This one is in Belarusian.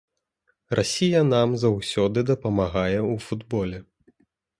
Расія нам заўсёды дапамагае ў футболе.